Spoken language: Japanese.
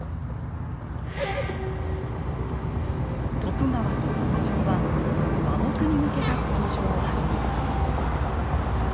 徳川と北条は和睦に向けた交渉を始めます。